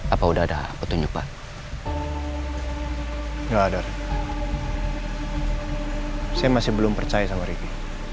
apa udah ada petunjuk pak nggak ada saya masih belum percaya sama riki